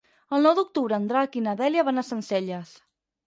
El nou d'octubre en Drac i na Dèlia van a Sencelles.